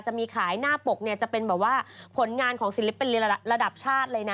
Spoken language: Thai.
จะมีขายหน้าปกจะเป็นผลงานของศิลป์เป็นระดับชาติเลยนะ